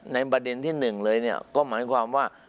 ในประเด็นที่๑เลยเนี่ยก็หมายความว่า